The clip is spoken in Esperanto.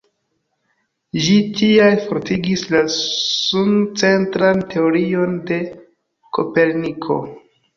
Ĝi tial fortigis la sun-centran teorion de Koperniko.